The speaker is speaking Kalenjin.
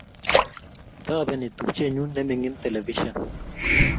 Tabeni tupchenyu ne mining televishen